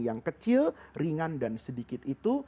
yang kecil ringan dan sedikit itu